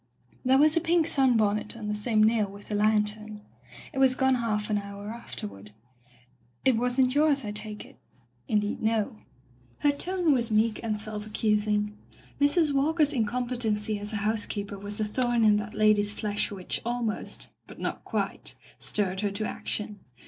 There was a pink sunbonnet on the same nail with the lantern. It was gone half an hour afterward. It wasn't yours, I take it ?'* "Indeed no." Her tone was meek and self , accusing. Mrs. Walker's incompetency as a house keeper was a thorn in that lady's flesh which almost — ^but not quite — stirred her to action.